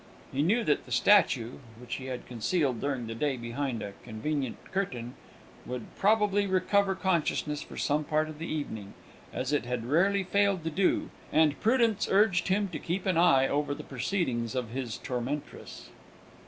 He knew that the statue (which he had concealed during the day behind a convenient curtain) would probably recover consciousness for some part of the evening, as it had rarely failed to do, and prudence urged him to keep an eye over the proceedings of his tormentress.